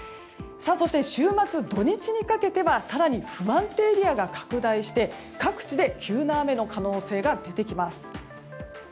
週末土日にかけては更に不安定エリアが拡大して各地で急な雨の可能性が出てきます。